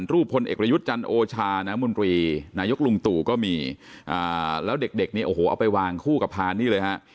พลเอกประยุทธ์จันทร์โอชาน้ำมนตรีนายกลุงตู่ก็มีแล้วเด็กเนี่ยโอ้โหเอาไปวางคู่กับพานนี่เลยฮะ